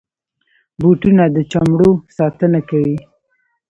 بوټونه د چمړو ساتنه کوي.